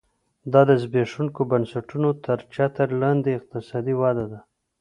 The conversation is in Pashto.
دا د زبېښونکو بنسټونو تر چتر لاندې اقتصادي وده ده